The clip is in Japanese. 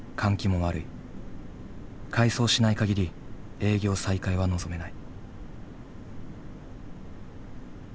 改装しない限り営業再開は望めない。